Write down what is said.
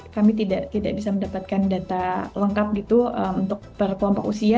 kami tidak bisa mendapatkan data lengkap gitu untuk per kelompok usia